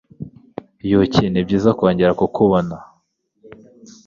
Yuki! Nibyiza kongera kukubona!